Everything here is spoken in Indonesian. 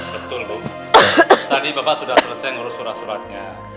betul bu tadi bapak sudah selesai ngurus surat suratnya